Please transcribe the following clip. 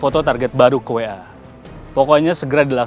dia belum tau siapa saya